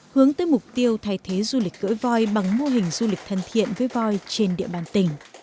hướng tới mục tiêu thay thế du lịch cưỡi voi bằng mô hình du lịch thân thiện với voi trên địa bàn tỉnh